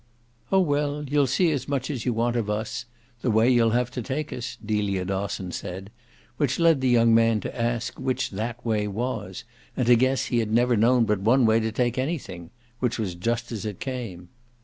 "Oh, well, you'll see as much as you want of us the way you'll have to take us," Delia Dosson said: which led the young man to ask which that way was and to guess he had never known but one way to take anything which was just as it came.